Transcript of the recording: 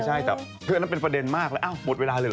ใช่แต่คืออันนั้นเป็นประเด็นมากเลยอ้าวหมดเวลาเลยเห